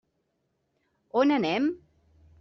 On anem?